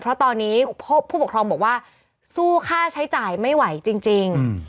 เพราะตอนนี้ผู้ปกครองบอกว่าสู้ค่าใช้จ่ายไม่ไหวจริง